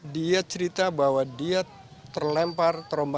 dia cerita bahwa dia terlempar terombah